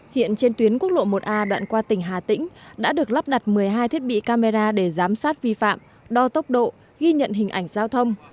hiện trên tuyến quốc lộ một a đoạn qua tỉnh hà tĩnh đã được lắp đặt một mươi hai thiết bị camera để giám sát vi phạm đo tốc độ ghi nhận hình ảnh giao thông